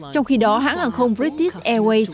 trong khi đó hãng hàng không british airlines